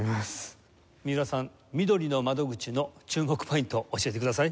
三浦さん「みどりの窓口」の注目ポイント教えてください。